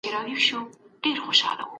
هیوادونه په بهرني سیاست کي څه لټوي؟